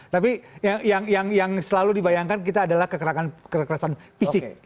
tapi yang selalu dibayangkan kita adalah kekerasan fisik